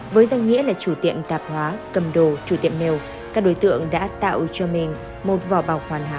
với danh nghĩa là chủ tiệm tạp hóa cầm đồ chủ tiệm mèo các đối tượng đã tạo cho mình một vỏ bọc hoàn hảo